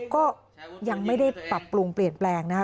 ก็ยังไม่ได้ปรับปรุงเปลี่ยนแปลงนะครับ